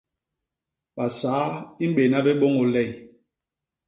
Basaa i mbéna bé bôñôl ley.